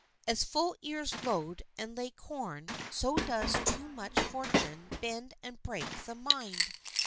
As full ears load and lay corn so does too much fortune bend and break the mind.